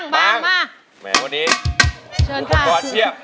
บ้างมา